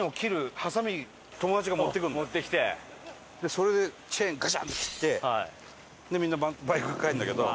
それでチェーンガシャンと切ってみんなバイクで帰るんだけど。